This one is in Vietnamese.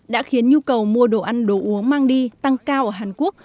đã khiến nhu cầu mua đồ ăn đồ uống mang đi tăng cao ở hàn quốc